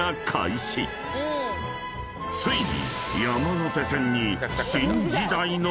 ［ついに］